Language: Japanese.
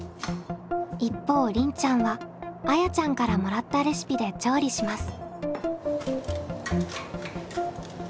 一方りんちゃんはあやちゃんからもらったレシピで調理します。